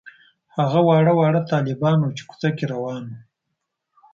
هغه واړه واړه طالبان وو چې کوڅه کې روان وو.